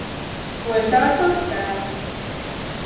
Hol tartottál?